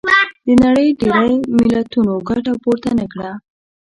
د نړۍ ډېری ملتونو ګټه پورته نه کړه.